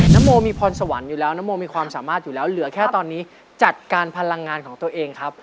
นโมมีพรสวรรค์อยู่แล้วนโมมีความสามารถอยู่แล้วเหลือแค่ตอนนี้จัดการพลังงานของตัวเองครับ